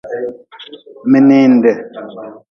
Mininde.